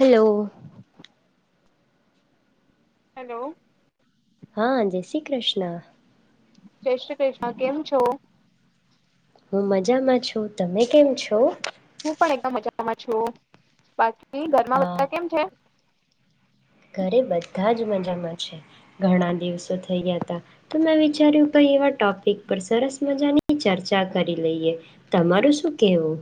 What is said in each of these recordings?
Hello hello હા જય શ્રી કૃષ્ણ જય શ્રી કૃષ્ણ કેમ છો હું મજામાં છું તમે કેમ છો હું પણ એકદ મજામાં છું બા કી ઘરમાં હા બધા કેમ છે. ઘરે બધા જ મજામાં છે ઘણા દિવસો થઈ ગયા હતા તો મેં વિચાર્યું પ એવા ટોપિક પર સરસ મજાની ની ચર્ચા કરી લઈએ તમારું શું કહેવું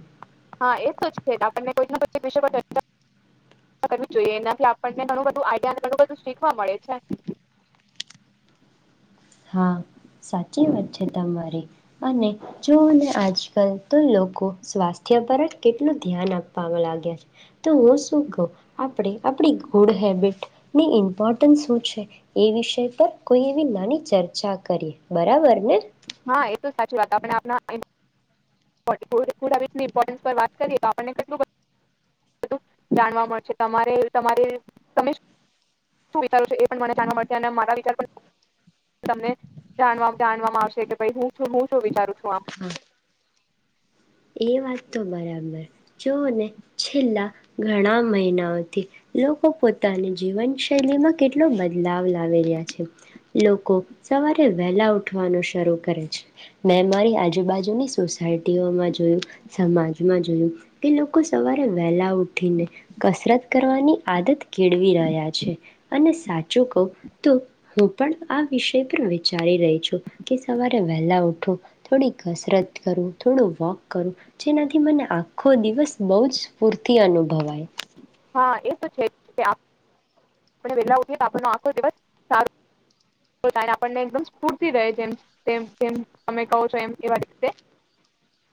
હા એ તો છે આપને કોઈક ને કોઈક વિષય પર ચર્ચા કરીવી જ જોઈએ એનાથી આપણને ઘણું બધું આઈડિયા ઘણું બધું શીખવા મળે છે. હા સાચી વાત છે તમારી અને જોને આજકાલ તો લોકો સ્વાસ્થ્ય પર જ કેટલું ધ્યાન આપવા લાગ્યા છે તો હું શું કવ આપણે આપણી ગુડ હેબિટની ઇમ્પોર્ટન્સ શું છે એ વિષય પર કોઈ એવી નાની ચર્ચા કરીએ બરાબર ને હા એ તો સાચી વાત આપને આપના પર ગુદ હેબીટસની ઈમપોટનસ પર વાત કરીએ તો આપણને કેટલું બધું જાણવા મળશે તમારે તમારે તમે શું વીચારો છો એ પણ મને જાણવા મળશે અને મારા વિચાર પણ તમને જાણવા જાણવામાં આવશે છે કે ભઈ હું છું હું શું વિચારું છું આમ હા એ વાત તો બરાબર જોને છેલ્લા ઘણા મહિનાઓથી લોકો પોતાની જીવન શૈલીમાં કેટલો બદલાવ લાવી રહ્યા છે લોકો સવારે વહેલા ઉઠવાનું શરૂ કરે છે મે મારી આજુબાજુની સોસાયટીઓમાં જ જોયુ સમાજમાં જોયું કે લોકો સવારે વહેલા ઉઠીને કસરત કરવાની આદત કેળવી રહ્યા છે અને સા ચૂ કવ તો હું પણ આ વિષય પર વિચારી રહી છું કે સવારે વહેલા ઉઠું થોડી કસરત કરું થોડું વોક કરું જેનાથી મને આખો દિવસ બહ જ સ્ફૂર્તિ અનુભવાય હા એ તો છે કે આપણે વહેલા ઉઠીએ તો આપણ આખો દિવસ સારો જાય અને આપને એક દમ‌ સ્ફૂર્તિ રહે જે તેમ જેમ તમે કહો છો એમ એવા રતે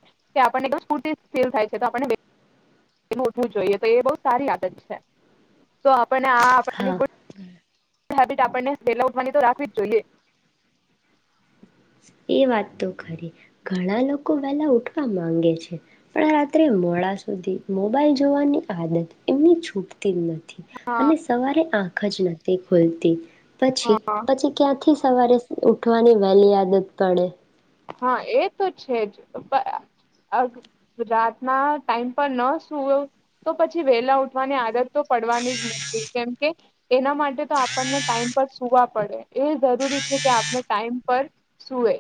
કે આપણનેમ સ્ફૂર્તિ ફીલ થાય છે તો આપને ઉઠવું જોઈએ તો એ બવ સારી આદત છે તો પણ આ આપની હા ગુદ હેબિટ આપણને પેલા ઉઠવાની તો રાખવી જ જોઈએ એ વાત તો ખરી ઘણા લોકો વેલા ઉઠવા માંગે છે પણ રાત્રે મોડા સુધી મોબાઈલ જોવાની આદત એમની છૂપ તેમ નથી હા અને સવારે આ ખ જ નથી ખુલતી પછી હા. પછી ક્યાંથી સવારે ઉઠવાની વહેલી આદત તણે હા એ તો છે જ આ રાતના ટાઈમ પર ન સુવ તો પછી વેલા ઉઠવાની આદત તો પડવાની જ નથી કેમકે એના માટે તો આપણને ટાઈમ પર સુવા પડે એ જરૂરી છે કે આપણે ટાઈમ પર સુવે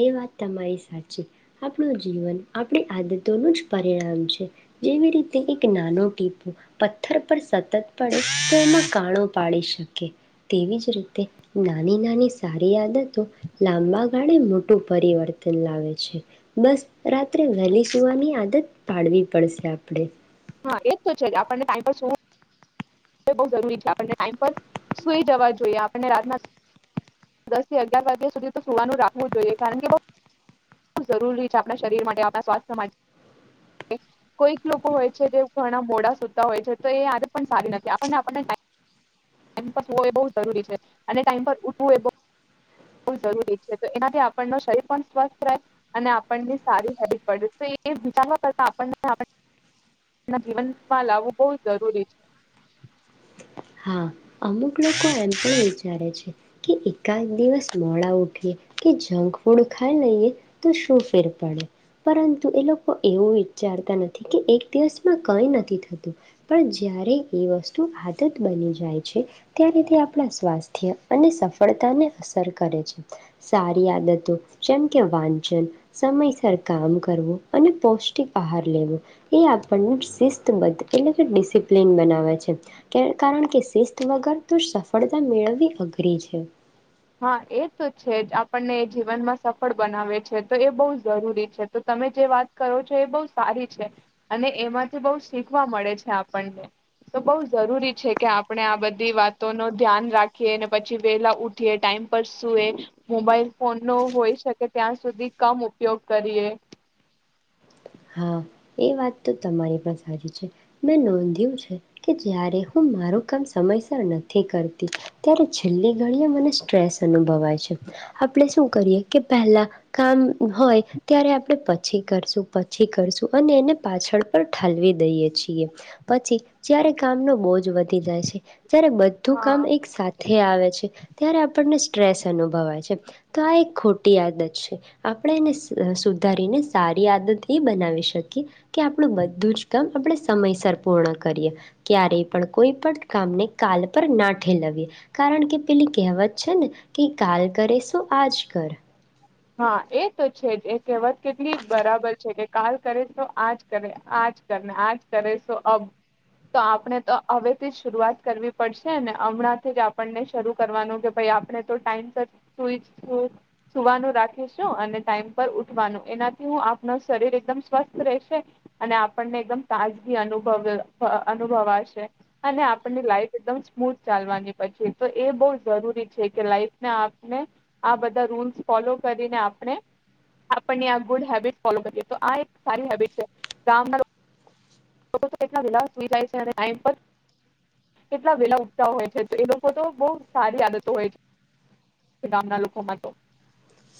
એ વાત તમારી સાચી આપણું જીવન આપણી આદતોનું જ પરિણામ છે જેવી રીતે એક નાનો ટીપો પથ્થર પર સતત પડે તો એમાં કાણો પાડી શકે તેવી જ રીતે નાની નાની સારી આદતો લાંબા ગાળે મોટું પરિવર્તન લાવે છે બસ રાત્રે વહેલી સુવાની આદત પાડવી પડશે આપડે હા એજ તોું છે કે આપણને ટાઈ શું બ જરૂરી છે આપણને ટાઈમ પર સુઈ જવા જોઈએ આપણને રાત દસ થી અગિયાર વાગ્યા સુધી તો સુવાનું રાખવું જ જોઈએ કારણ કે જરૂરી છે આપણા શરીર માટે આપણા સ્વાસ્થ્ય માટે કોઈક લોકો હોય છે જે ઘણા મોડા સુતા હોય છે તો એ આજે પણ સારી નથી આપણને આપણને ટાઈમ પર હોવો એ બહ જરૂરી છે અને ટાઈમ પર ઉઠવું એ બ બ જરૂરી છે તો એનાથી આપણ શરીર પણ સ્વસ્થ રહે અને આપણની સારી હેબિટ પડે તો એ વિચારવા કરતા આપણને જીવનમાં લાવવું બહ જરૂરી છે હા અમુક લોકો એમ પણ વિચારે છે કે એકાદ દિવસ મોડા ઉઠીએ કે જંક ફૂડ ખાઈ લઈએ તો શું ફેર પડે પરંતુ એ લોકો એવું વિચારતા નથી કે એક દિવસમાં કઈ નથી થતું પણ જય્યારે એ વસ્તુ આદત બની જાય છે ત્યારે તે આપણા સ્વાસ્થ્ય અને સફળતાને અસર કરે છે સારી આદતો જેમ કે વાંચન સમયસર કામ કરવું અને પૌષ્ટિક આહાર લેવો એ આપણને શિસ્તબદ્ધ એટલે કે ડિસિપ્લિન બનાવે છે કે કારણ કે શિસ્ત વગર તો સફળતા મેળવવી અઘરી છે હા એ તો છે આપણને એ જીવનમાં સફળ બનાવે છે તો એ બહુ જરૂરી છે તો તમે જે વાત કરો છો એ બહુ સારી છે અને એમાંથી બહ શીખવા મળે છે આપણને તો બહ જરૂરી છે કે આપણે આ બધી વાતો ન ધ્યાન રાખીએ અનેને પછી વેલા ટાઈમ પર સુએ મોબાઈલ ફોન નો હોઈ શકે ત્યાં સુધી કમ ઉપયોગ કરીએ હા એ વાત તો તમારી પણ સારી છે મેં નોંધ્યું છે કે જય્યારે હું મારું કામ સમયસર નથી કરતી ત્યારે છેલ્લી ઘડીએ મને સ્ટ્રેસ અનુભવાય છે આપણે શું કરીએ કે પહેલા કામ હોય ત્યારે આપણે પછી કરશું પછી કરશું અને એને પાછળ પર ઠાલવી દઈએ છીએ પછી જારે કામનો બોજ વધી જાય છે જ્યારે બધું હા કામ એક સાથે આવે ત્યારે આપણને સ્ટ્રેસ અનુભવાય છે તો આ એક ખોટી આદત છે આપણે એને સુધારીને સારી આદત એ બનાવી શકીએ કે આપણું બધું જ કામ આપણે સમયસર પૂર્ણ કરીએ ક્યારેય પણ કોઈ પણ કામને કાલ પર ના ઠેલાવીએ કારણ કે પેલી કહેવત છે ને કે કાલ કરે શું આજ કર હા એ તો છે જ એ કહેવત કેટલી બરાબર છે કે કાલ કરેશો આજ કરે આજ કરને આજ કરેશો અ તો આપણે તો હવેથી જ શરૂઆત કરવી પડશે ને હમણાંથી જ આપણને શરૂ કરવાનું કે ભાઈ આપણે તો ટાઈમ સુઈ સુવાનું રાખ ટમ પર ઉઠવાનું એનાથી હું આપણ શરીર એકદમ સ્વસ્થ રહેશે અને આપણને એકદમ તાજગી અનુ અનુભવાશે અને આપ લાઈફ એકદમ સ્મૂથ ચાલવાની પછી તો એ બહ જરૂરી છે કે લાઈફને આપને આ બધા રૂલ્સ ફોલો કરીને આપણે આપણની આ ગુડ હેબિટ ફોલો કરીએ તો આ એક સારી હેબિટ છે ગામના લોકો તો કેટલા વેલા સુઈ જાય છે અને ટ કેટલા વેલા ઉતા હોય છે તો એ લોકો તો બહ સારી આદતો હોય છે ગામના લોકોમાં તો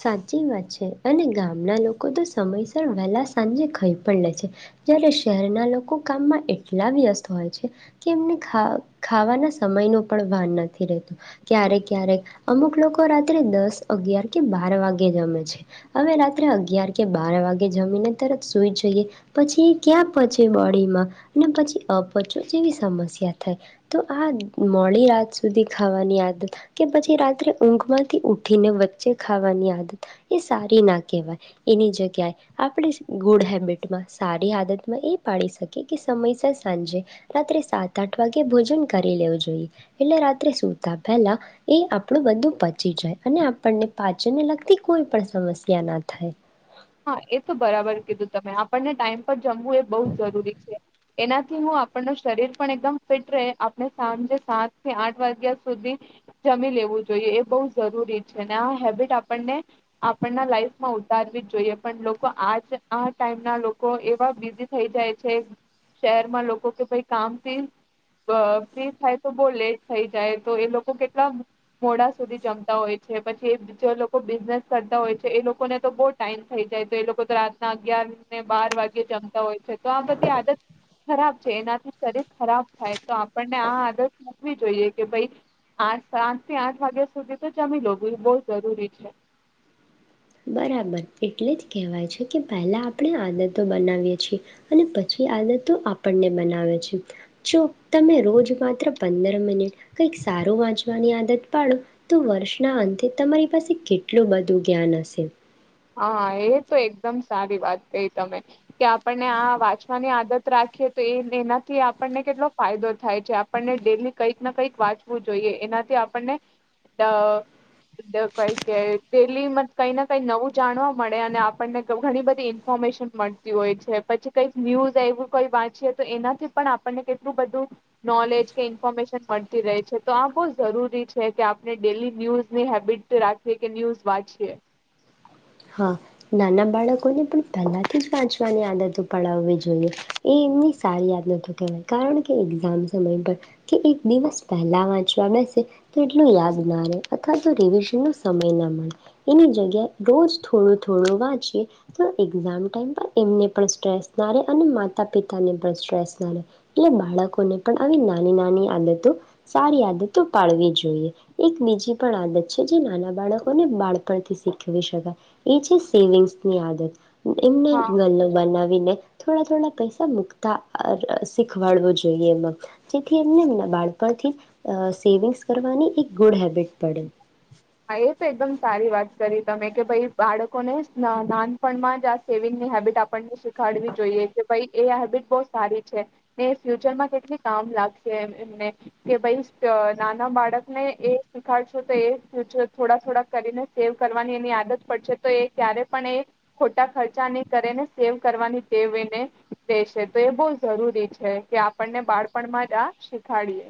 સાચી વાત છે અને ગામના લોકો તો સમયસર વહેલા સાંજે ખઈ પણ લે છે જય્યારે શહેરના લોકો કામમાં એટલા વ્યસ્ત હોય છે કે એમને ખા ખાવાના સમય ન પણ ભન નથી રહેતું ક્યારેક ક્યારેક અમુક લોકો રાત્રે દસ અગિયાર કે બાર વાગે જમે છે હવે રાત્રે અગયાર કે બાર વાગે જમીને તરત સુઈ જઈએ પછી એ ક્યાં પચે બોડીમાં અને પછી અપચો જેવી સમસ્યા થાય તો આ મોડી રાત સુધી ખાવાની આદત કે પછી રાત્રે ઊંઘ માંથી ઉઠીને જે ખાવાની આદત એ સારી ના કહેવાય એની જગ્યાએ આપણી ગુડ હેબિટમાં સારી આદતમાં એ પાડી શકીએ કે સમયસર સાંજે રાત્રે સાત આઠ વાગે ભોજન કરી લેવું જોઈએ એટલે રાત્રે સૂતા પહેલાં એ આપણું બધું પચી જાય અને આપણને પાચનને લગતી કોઈ પણ સમસ્યા ના થાય હા એ તો બરાબર કીધું તમે આપણને ટાઈમ પર જમવું એ બહ જરૂરી છે એનાથી હું આપણ ન શરીર પણ એકદમ ફિટ રહે આપણે સાંજે સાતથી આઠ વાગ્યા સુધી જમી લેવું જોઈએ એ બહ જરૂરી છે અને આ હેબિટ આપણને આપણના લાઈફમાં ઉતારવી જોઈએ પણ લોકો આજ આ ટાઈમ ના લોકો એવા બિઝી થઈ જાય છે શહેરમાં લોકો કે ભાઈ કામથી ફ્રી થાય તો બહુ લેટ થઈ જાય તો એ લોકો કેટલા મોડા સુધી જમતા હોય છે પછી એ જે લોકો બિઝનેસ કરતા હોય છે એ લોકોને તો બહ ટાઈમ થઈ જાય તો એ લોકો તો રાતના અગિયાર ને બાર વાગે જમતા હોય છે તો આ બધી આદત ખરાબ છે એનાથી શરીર ખરાબ થાય તો આપણને આ આદત મૂકવી જોઈએ કે ભ આ સાત થી આઠ વાગ્યા સુધી તો જમી લો એ બહ જરૂરી છે બરાબર એટલે જ કહેવાય છે કે પહેલા આપણે આદતો બનાવીએ છીએ અને પછી આદતો આપણને બનાવે છે જો તમે રોજ માત્ર પંદર મિનિટ કંઈક સારું વાંચવાની આદત પાડો તો વર્ષના અંતે તમારી પાસે કેટલું બધું જ્ઞાન હશે હા એ તો એકદમ સારી વાત કઈ તમે કે આપણને આ વાંચવાની આદત રાખીએ તો એ એનાથી આપણને કેટલો ફાયદો થાય છે આપણને ડેલી કંઈક ના કંઈક વાંચવું જોઈએ એનાથી આપણને કઈ કે ડેલી મ કંઈ ના કઈ નવું જાણવા મળે અને આપણને ઘણી બધી ઈન્ફોર્મેશન મળતી હોય છે પછી કંઈક ન્યૂઝ એવું કોઈ વાંચીએ તો એનાથી પણ આપણને કેટલું બધું નોલેજ કે ઇન્ફોર્મેશન મળતી રહે છે તો આ બહુ જરૂરી છે કે આપણે ડેલી ન્યૂઝની હેબિટ રાખીએ કે ન્યૂઝ વાંચીએ હા નાના બાળકોને પણ પહેલાથી જ વાંચવાની આદતો પડાવવી જોઈએ એ એમની સારી યાદ ન કહેવાય કારણ કે એક્ઝામ સમય પર કે એક દિવસ પહેલા વાંચવા બેસે તો એટલું યાદ ના રહે અથવા તો રિવિઝન નો સમય ના મળે એની જગ્યાએ રોજ થોડું થોડું વાંચીએ તો એક્ઝામ ટાઈમ પર એમને પણ સ્ટ્રેસ ના રહે અને માતા પિતાને પણ સ્ટ્રેસ ના રહે એટલે બાળકોને પણ આવી નાની નાની આદતો સારી આદતો પાડવી જોઈએ એક બીજી પણ આદત છે જે નાના બાળકોને બાળપણથી શીખવી શકાય એ છે સેવિંગ્સ ની આદત એમને હા ગ બનાવી ને થોડા થોડા પૈસા મુકતા શીખવાડવો જોઈએ એમાં જેથી એમને એમ બાળપણથી સેવિંગસ કરવાની એક ગુડ હેબિટ પડે હા એ તો એકદમ સારી વાત કરી તમે કે ભાઈ બાળકોને નાનપણમાં જ આ સેવિંગની હેબિટ આપણને શીખાડવી જોઈએ કે ભઈ એ હેબિટ બહ સારી છે ને ફ્યુચરમાં કેટલી કામ લાગશે એમને કે ભાઈ નાના બાળકને એ શીખાડશો તો એ થોડા થોડા કરીને સેવ કરવાની એની આદત પડશે તો એ ક્યારે પણ એ ખોટા ખર્ચા નહી કરે ને સેવ કરવાની ટેવ એને લેશે તો એ બવ જરૂરી છે કે આપણને બાળપણમાં જ આ શીખાડીએ.